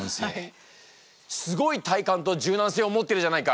すごい体幹と柔軟性を持ってるじゃないか！